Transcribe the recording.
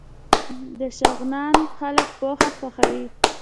د شغنان خلک پوهه خوښوي